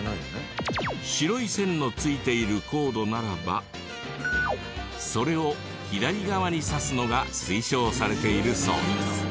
白い線のついているコードならばそれを左側に挿すのが推奨されているそう。